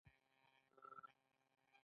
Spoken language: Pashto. کله چې پانګوال خپله پانګه په کار اچوي